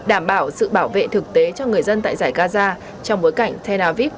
đảm bảo sự bảo vệ thực tế cho người dân tại giải gaza trong bối cảnh tel aviv